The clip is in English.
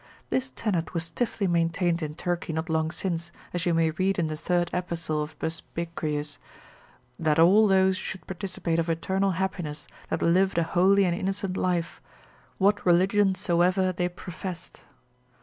This tenet was stiffly maintained in Turkey not long since, as you may read in the third epistle of Busbequius, that all those should participate of eternal happiness, that lived a holy and innocent life, what religion soever they professed.